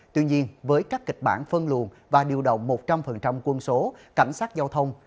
tuy nhiên với các kịch bản phân luồn và điều động một trăm linh quân số cảnh sát giao thông